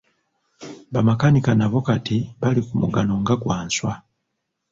Bamakanika nabo kati bali ku mugano nga gwa nswa.